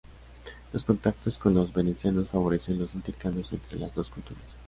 Los contactos con los venecianos favorecen los intercambios entre las dos culturas.